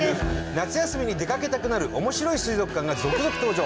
夏休みに出かけたくなるおもしろい水族館が続々登場。